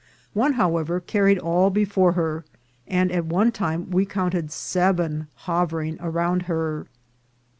, One, however, carried all before her, and at one time we counted seven hovering around her.